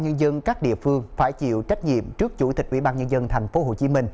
chủ tịch ubnd các địa phương phải chịu trách nhiệm trước chủ tịch ubnd tp hcm